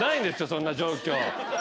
そんな状況。